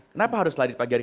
kenapa harus lari di pagi hari